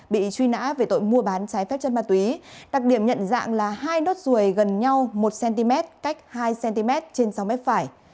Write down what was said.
bị truy nã về tội mua bán trái phép chân ma túy đặc điểm nhận dạng là hai nốt ruồi gần nhau một cm cách hai cm trên sau mép phải